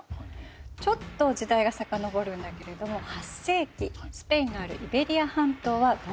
ちょっと時代が遡るんだけれども８世紀スペインがあるイベリア半島はどんな状況だった？